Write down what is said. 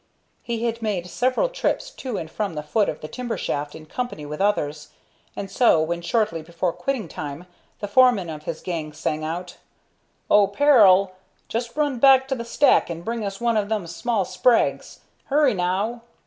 He had made several trips to and from the foot of the timber shaft in company with others, and so, when, shortly before quitting time, the foreman of his gang sang out: "Oh, Peril! Just run back to the stack and bring us one of them small sprags. Hurry, now!"